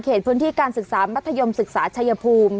พื้นที่การศึกษามัธยมศึกษาชัยภูมิ